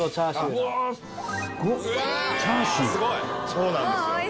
そうなんですよ。